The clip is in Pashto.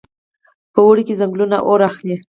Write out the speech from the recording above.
په اوړي کې ځنګلونه اور اخلي.